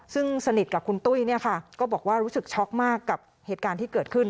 ซึ่งสนิทกับคุณตุ้ยเนี่ยค่ะก็บอกว่ารู้สึกช็อกมากกับเหตุการณ์ที่เกิดขึ้น